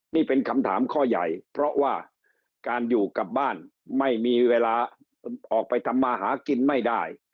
นี่เป็นคำถามข้อใหญ่เพราะว่าการอยู่กับบ้านไม่มีเวลาออกไปทำมาหากินไม่ได้